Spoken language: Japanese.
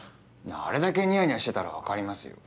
あれだけニヤニヤしてたらわかりますよ。